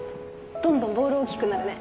どんどんボール大きくなるね。